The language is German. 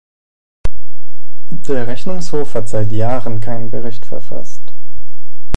Der Rechnungshof hat seit Jahren keinen Bericht verfasst.